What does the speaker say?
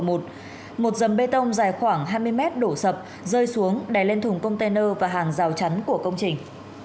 một dầm bê tông dài khoảng hai mươi mét đổ sập rơi xuống đè lên thùng container và hàng rào chắn của công trình